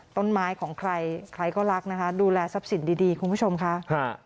ต้นไม้ของใครใครก็รักนะคะดูแลทรัพย์สินดีดีคุณผู้ชมค่ะฮะ